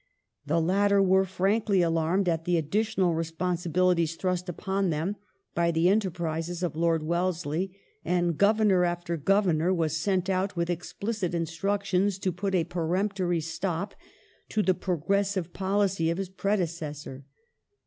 The latter were frankly alarmed at the axlditional responsibilities thrust upon them by the enterprises of Lord Wel lesley, and Governor after Governor was sent out with explicit instructions to put a peremptory stop to the progressive policy of his predecessor.